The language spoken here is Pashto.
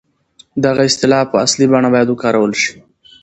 دغه اصطلاح په اصلي بڼه بايد وکارول شي.